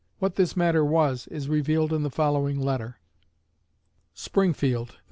What this matter was is revealed in the following letter: SPRINGFIELD, NOV.